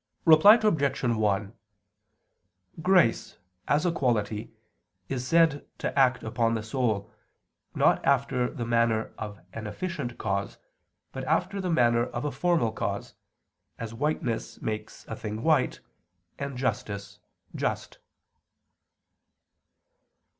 Reply Obj. 1: Grace, as a quality, is said to act upon the soul, not after the manner of an efficient cause, but after the manner of a formal cause, as whiteness makes a thing white, and justice, just.